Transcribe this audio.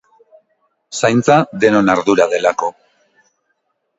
Zaintza denon ardura delako